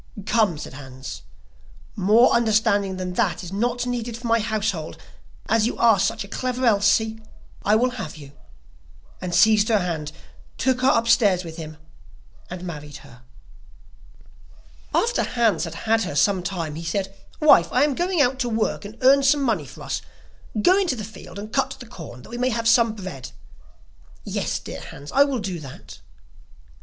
'Come,' said Hans, 'more understanding than that is not needed for my household, as you are such a clever Elsie, I will have you,' and seized her hand, took her upstairs with him, and married her. After Hans had had her some time, he said: 'Wife, I am going out to work and earn some money for us; go into the field and cut the corn that we may have some bread.' 'Yes, dear Hans, I will do that.